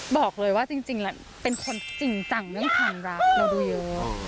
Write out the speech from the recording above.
บอกเลยว่าจริงแล้วเป็นคนจริงจังเรื่องความรักเราดูเยอะ